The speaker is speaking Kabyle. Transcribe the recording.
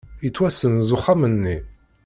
Yettwasenz uxxam-nni.